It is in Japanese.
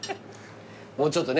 もうちょっとね。